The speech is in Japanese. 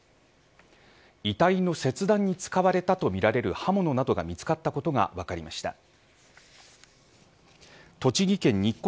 遺体の切断に使われたとみられる刃物などが見つかったことが分かりました。